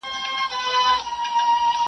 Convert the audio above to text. • چي غمی یې وړﺉ نه را معلومېږي,